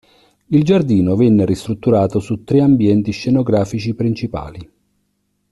Il giardino venne ristrutturato su tre ambienti scenografici principali.